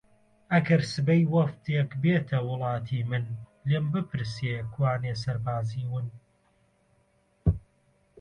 ئەگەر سبەی وەفدێک بێتە وڵاتی من لێم بپرسێ کوانێ سەربازی ون